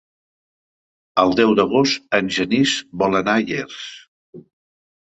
El deu d'agost en Genís vol anar a Llers.